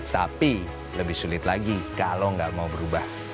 tapi lebih sulit lagi kalau nggak mau berubah